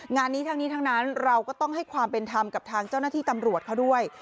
งานนี้ทั้งนี้ทั้งนั้นเราก็ต้องให้ความเป็นธรรมกับทางเจ้าหน้าที่ตำรวจเขาด้วย